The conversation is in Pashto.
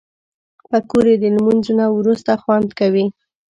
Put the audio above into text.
پکورې د لمونځ نه وروسته خوند کوي